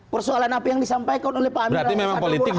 persoalan apa yang disampaikan oleh pak amin rais